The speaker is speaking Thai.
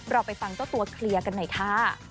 เราไปฟังเจ้าตัวเคลียร์กันหน่อยค่ะ